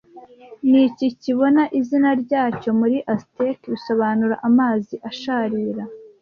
Niki kibona izina ryacyo muri Aztec bisobanura amazi asharira